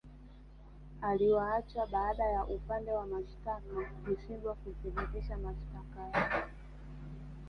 Aliwaachia baada ya upande wa mashitaka kushindwa kuthibitisha mashitaka yao